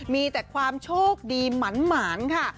มีแต่ความโชคดีหมานค่ะ